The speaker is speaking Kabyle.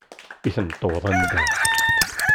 I tneṭweḍ anda?